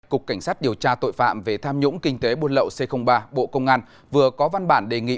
cục cảnh sát điều tra tội phạm về tham nhũng kinh tế buôn lậu c ba bộ công an vừa có văn bản đề nghị